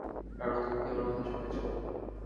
রানু, তুমি কি আমার কথা শুনেছ?